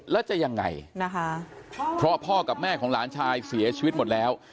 แล้วจะยังไงนะคะเพราะพ่อกับแม่ของหลานชายเสียชีวิตหมดแล้ว